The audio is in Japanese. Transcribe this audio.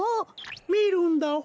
みるんだホー。